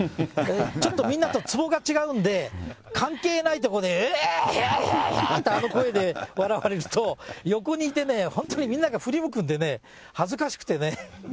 ちょっとみんなとツボが違うんで、関係ないとこで、あの声で笑われると、横にいてね、みんなが本当に振り向くんでね、恥ずかしくてね。